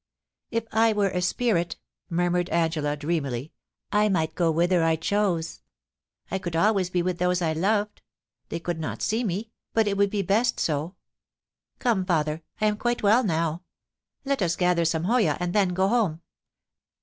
* If I were a spirit,' murmured Angela, dreamily, * I might go whither I chose. I could always be with those I loved ; they could not see me, but it would be best so ... Come, father, I am quite well now. Let us gather some hoya, and then go home.'